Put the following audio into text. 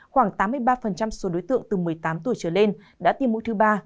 khoảng tám mươi ba số đối tượng từ một mươi tám tuổi trở lên đã tiêm mũi thứ ba